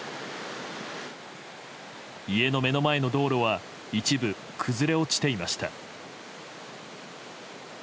家の目の前の道路は一部、崩れ落ちていました。